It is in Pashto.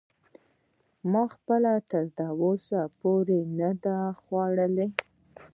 ما خپله تر اوسه نه دی خوړلی.